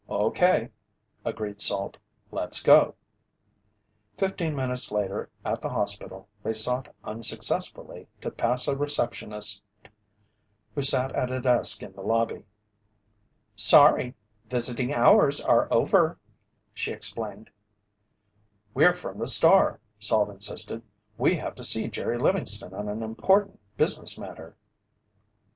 "Okay," agreed Salt. "Let's go." Fifteen minutes later, at the hospital, they sought unsuccessfully to pass a receptionist who sat at a desk in the lobby. "Sorry, visiting hours are over," she explained. "We're from the Star," Salt insisted. "We have to see Jerry Livingston on an important business matter."